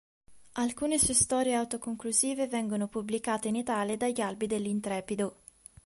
Alcune sue storie autoconclusive vengono pubblicate in Italia dagli Albi dell'Intrepido.